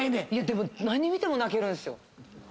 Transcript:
でも何見ても泣けるんすよ。